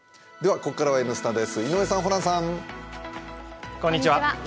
ここからは「Ｎスタ」です、井上さん、ホランさん。